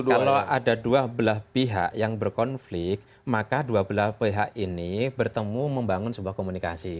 kalau ada dua belah pihak yang berkonflik maka dua belah pihak ini bertemu membangun sebuah komunikasi